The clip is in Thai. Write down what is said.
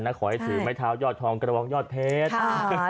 ขอให้ถือไม้เท้ายอดทองกระบองยอดเพชร